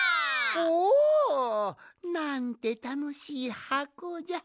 おお！なんてたのしいはこじゃ。